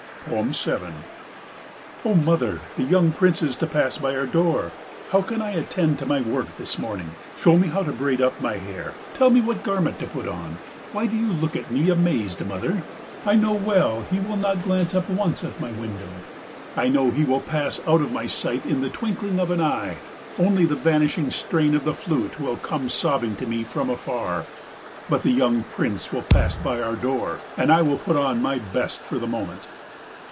7 O mother, the young Prince is to pass by our door, how can I attend to my work this morning? Show me how to braid up my hair; tell me what garment to put on. Why do you look at me amazed, mother? I know well he will not glance up once at my window; I know he will pass out of my sight in the twinkling of an eye; only the vanishing strain of the flute will come sobbing to me from afar. But the young Prince will pass by our door, and I will put on my best for the moment.